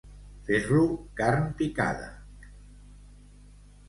Fer-lo carn picada.